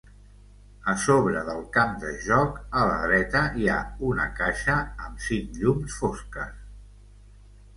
A sobre del camp de joc, a la dreta, hi ha una caixa amb cinc llums fosques.